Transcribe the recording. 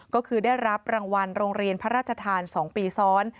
ก็คือได้รับรางวัลโรงเรียนพระราชทาน๒ปีซ้อน